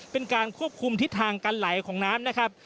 เป็นการควบคุมทิศทางการไหลของน้ำนะครับ